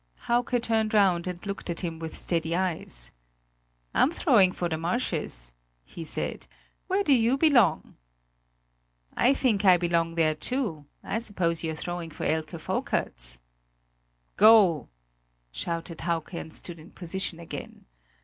Hauke turned round and looked at him with steady eyes: "I'm throwing for the marshes," he said. "Where do you belong?" "I think, I belong there too; I suppose you're throwing for Elke Volkerts!" "Go!" shouted Hauke and stood in position again.